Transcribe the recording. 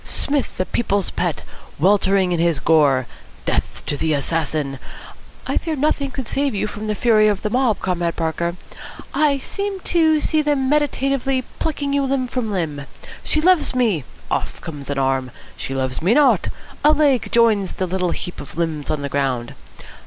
Psmith, the People's Pet, weltering in his gore? Death to the assassin! I fear nothing could save you from the fury of the mob, Comrade Parker. I seem to see them meditatively plucking you limb from limb. 'She loves me!' Off comes an arm. 'She loves me not.' A leg joins the little heap of limbs on the ground.